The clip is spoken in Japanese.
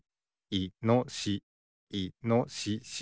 いのしし。